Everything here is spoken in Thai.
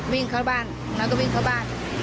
วิ่งเข้าบ้าน